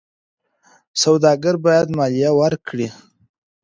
سوداګر باید مالیه ورکړي.